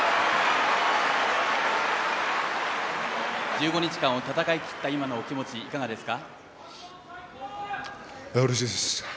１５日間を戦い切った今のお気持ちいかがですか？